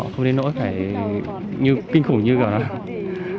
không nên nỗi phải như kinh khủng như kiểu nào